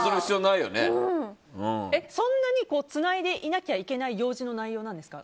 そんなにつないでいなきゃいけない用事の内容なんですか？